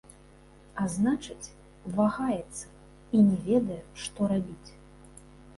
А значыць, вагаецца і не ведае, што рабіць.